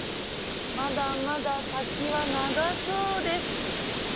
まだまだ先は長そうです